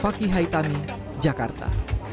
fakih haitami jakarta